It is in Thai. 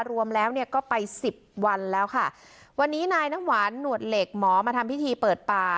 รวมแล้วเนี่ยก็ไปสิบวันแล้วค่ะวันนี้นายน้ำหวานหนวดเหล็กหมอมาทำพิธีเปิดป่า